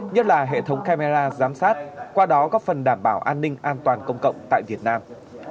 nhất là hệ thống camera giám sát qua đó góp phần đảm bảo an ninh an toàn công cộng tại việt nam